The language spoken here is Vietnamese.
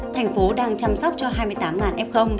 tp hcm đang chăm sóc cho hai mươi tám f